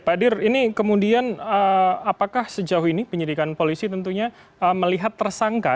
pak dir ini kemudian apakah sejauh ini penyidikan polisi tentunya melihat tersangka